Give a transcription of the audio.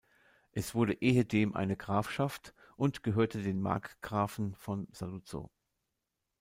Es war ehedem eine Grafschaft und gehörte den Markgrafen von Saluzzo.